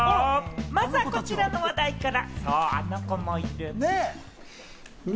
まずはこちらの話題から。